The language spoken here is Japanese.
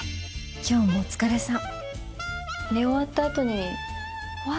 今日もお疲れさん。